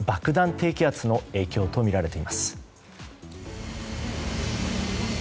低気圧の影響とみられています。